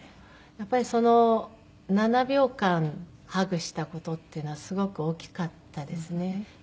やっぱり７秒間ハグした事っていうのはすごく大きかったですね。